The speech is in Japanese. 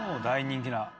大人気な。